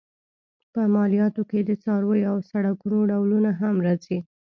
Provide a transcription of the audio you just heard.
په مالیاتو کې د څارویو او سړکونو ډولونه هم راځي.